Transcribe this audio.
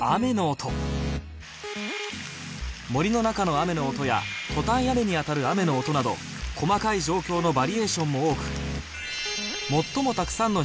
森の中の雨の音やトタン屋根に当たる雨の音など細かい状況のバリエーションも多く